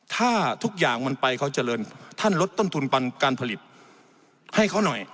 ถ้าทุกอย่างมันไปเขาเจริญท่านลดต้นทุนการผลิตให้เขาหน่อย